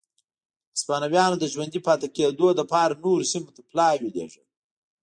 هسپانویانو د ژوندي پاتې کېدو لپاره نورو سیمو ته پلاوي لېږل.